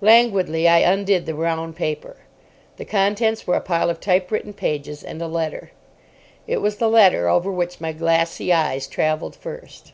Languidly I undid the brown paper. The contents were a pile of typewritten pages and a letter. It was the letter over which my glassy eyes travelled first.